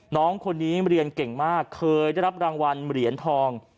น้องคนนี้เรียนเก่งมากเคยได้รับรางวัลเหรียญทอง